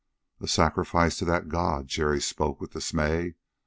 "A sacrifice to that god!" Jerry spoke with dismay.